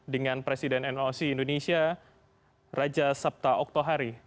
dengan presiden noc indonesia raja sabta oktohari